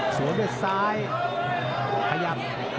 สวนด้วยซ้ายขยับ